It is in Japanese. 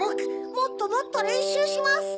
もっともっとれんしゅうします！